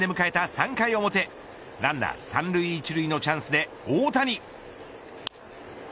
３回表ランナー３塁１塁のチャンスで大谷。